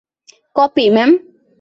Copy, ma'am.